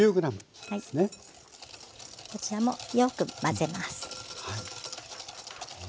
こちらもよく混ぜます。